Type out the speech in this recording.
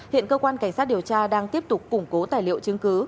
hiện cơ quan cảnh sát điều tra đang tiếp tục củng cố tài liệu chứng cứ